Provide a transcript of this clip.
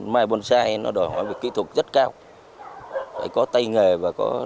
mai bonsai nó đòi hỏi về kỹ thuật rất cao